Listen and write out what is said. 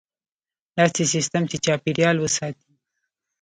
داسې سیستم چې چاپیریال وساتي.